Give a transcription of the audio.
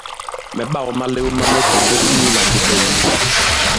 Mɛ̌ ɓāw malew ma mɛ tòndow inyūlā pùpɛ̀ ì ni.